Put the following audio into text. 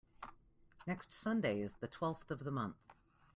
Next Sunday is the twelfth of the month.